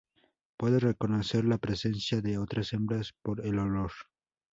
Puede reconocer la presencia de otras hembras por el olor.